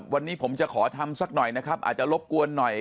วันนี้ผมจะขอทำสักหน่อยนะครับอาจจะรบกวนหน่อย